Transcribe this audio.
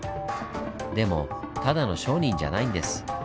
でもただの商人じゃないんです。